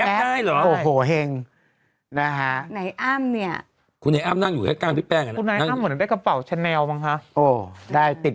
พี่ป๊อบเหรอฮะพี่ป๊อบได้ค่ะอีกแล้วพี่ป๊อบได้๒ปีซ้อนแล้วอ๋อสุดยอด